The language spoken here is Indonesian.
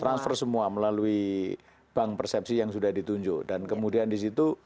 transfer semua melalui bank persepsi yang sudah ditunjuk dan kemudian disitu